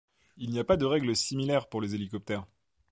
Il n'y a pas de règle similaire pour les hélicoptères.